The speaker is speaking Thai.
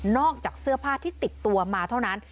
จากเสื้อผ้าที่ติดตัวมาเท่านั้น